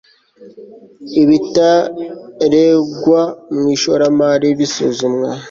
ibitarengwa mu ishoramari bisuzumwa